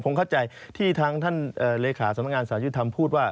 ผมเข้าใจที่ทางท่านเลยค่าสมัครงานสาหรัฐวิทยุทธรรมพูดว่า